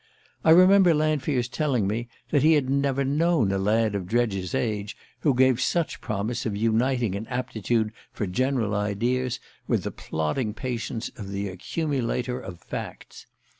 I remember Lanfear's telling me that he had never known a lad of Dredge's age who gave such promise of uniting an aptitude for general ideas with the plodding patience of the accumulator of facts.